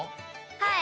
はい！